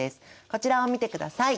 こちらを見てください。